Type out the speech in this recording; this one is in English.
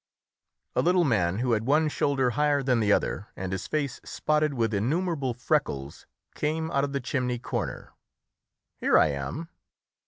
A little man, who had one shoulder higher than the other, and his face spotted with innumerable freckles, came out of the chimney corner. "Here I am!"